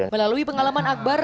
melalui pengalaman akbar